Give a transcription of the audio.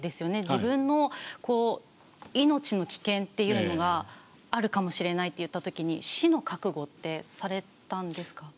自分の命の危険っていうのがあるかもしれないっていったときに死の覚悟ってされたんですか？